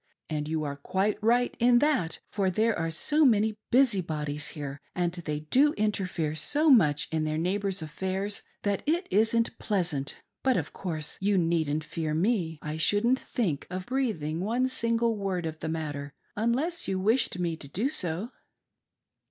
And you are quite right in that, for there are so many busybodies here, and they do interfere so much in their neighbors' affairs that it isn't pleasant. But, of course you needn't fear me —/ shouldn't think of breathing one single word of the matter, unless you wished me to do so."